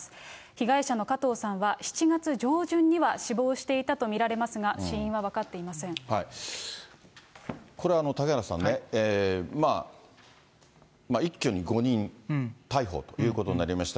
被害者の加藤さんは７月上旬には死亡していたと見られますが、死これ、嵩原さんね、まあ、一挙に５人逮捕ということになりました。